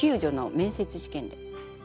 面接試験？